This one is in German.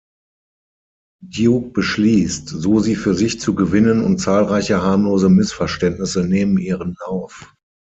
Duke beschließt, Susie für sich zu gewinnen, und zahlreiche harmlose Missverständnisse nehmen ihren Lauf.